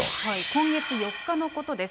今月４日のことです。